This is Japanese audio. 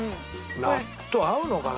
納豆合うのかな？